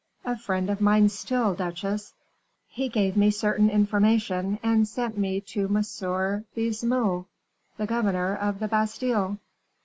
"A friend of mine still, duchesse." "He gave me certain information, and sent me to M. Baisemeaux, the governor of the Bastile."